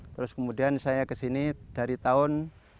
terus kemudian saya ke sini dari tahun seribu sembilan ratus delapan puluh enam